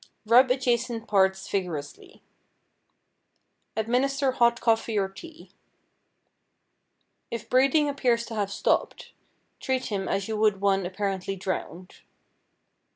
Rub adjacent parts vigorously. Administer hot coffee or tea. If breathing appears to have stopped, treat him as you would one apparently drowned.